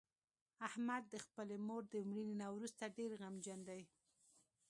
احمد د خپلې مور د مړینې نه ورسته ډېر غمجن دی.